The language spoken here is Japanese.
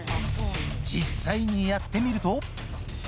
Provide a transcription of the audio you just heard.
実際にやってみると。